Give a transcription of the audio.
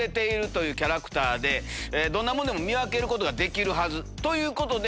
どんなものでも見分けることができるはずということで。